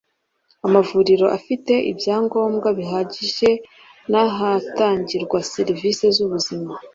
amavuriro afite ibyangombwa bihagije n’ahatangirwa serivisi z’ubuzima